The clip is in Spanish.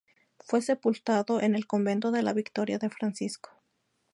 Fue sepultado en el Convento de la Victoria de Francisco.